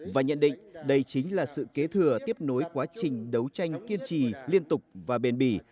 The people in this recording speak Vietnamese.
và nhận định đây chính là sự kế thừa tiếp nối quá trình đấu tranh kiên trì liên tục và bền bỉ